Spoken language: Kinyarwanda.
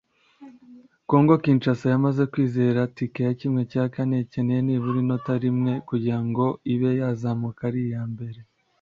Congo Kinshasa yamaze kwizera tike ya ¼ ikeneye nibura inota rimwe kugira ngo ibe yazamuka ari iya mbere